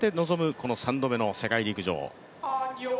この３度目の世界陸上。